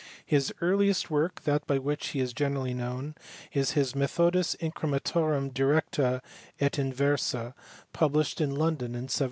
His earliest work, and that by which he is generally known, is his Methodus Incrementorum Directa et Inversa published in London, in 1715.